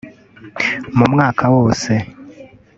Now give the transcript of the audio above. mu mwaka wose